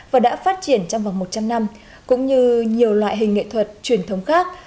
và đã phát triển trong vòng một trăm linh năm cũng như nhiều loại hình nghệ thuật truyền thống khác